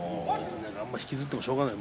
あんまり引きずってもしょうがない。